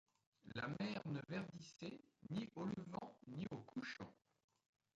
La mer ne verdissait ni au levant ni au couchant.